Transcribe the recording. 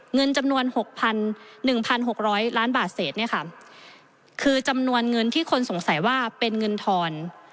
เงินจำนวน๖๑๖๐๐ล้านบาทเศษเนี่ยค่ะคือจำนวนเงินที่คนสงสัยว่าเป็นเงินทอน